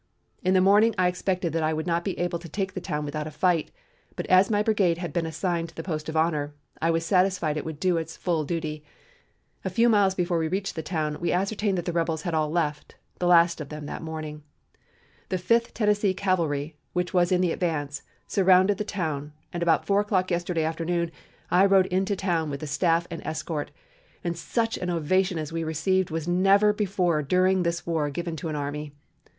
In the morning I expected that I would not be able to take the town without a fight, but as my brigade had been assigned the post of honor, I was satisfied it would do its full duty. A few miles before we reached the town we ascertained that the rebels had all left, the last of them that morning. The Fifth Tennessee Cavalry, which was in the advance, surrounded the town, and about four o'clock yesterday afternoon I rode into town with the staff and escort, and such an ovation as we received was never before during this war given to any army.